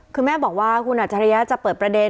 คือแม่บอกว่าคุณอัจฉริยะจะเปิดประเด็น